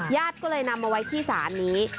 ญาติก็เลยนำมาไว้ที่ศาลนี้